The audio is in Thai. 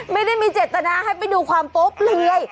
ไม่ได้มีเจตนาให้ไปดูความโป๊ะเปลือย